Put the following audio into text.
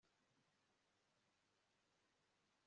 yagiye hejuru y'urutonde kugira ngo arebe niba izina rye rihari